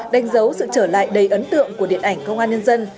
đánh dấu sự trở lại đầy ấn tượng của điện ảnh công an nhân dân